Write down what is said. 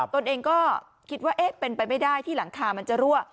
ตนเองก็คิดว่าเป็นไปไม่ได้ที่หลังคามันจะรั่ว